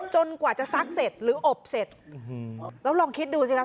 กว่าจะซักเสร็จหรืออบเสร็จแล้วลองคิดดูสิคะ